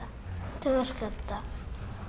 楽しかった。